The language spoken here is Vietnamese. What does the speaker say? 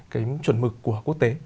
cái chuẩn mực của quốc tế